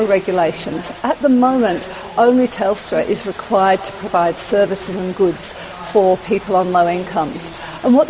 pada saat ini hanya telstra yang diperlukan untuk memberikan peran dan barang untuk orang orang yang berbelanja yang rendah